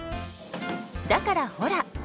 だからほら！